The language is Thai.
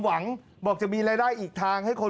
วันจะมีรายได้อีกทาง